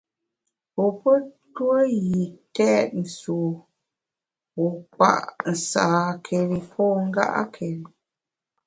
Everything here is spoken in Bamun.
Wu pe ntue yi têt sùwu, wu kpa’ nsâkeri pô nga’keri.